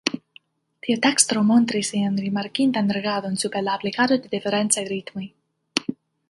Tiu teksto montris lian rimarkindan regadon super la aplikado de diferencaj ritmoj.